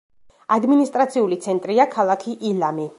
ადმინისტრაციული ცენტრია ქალაქი ილამი.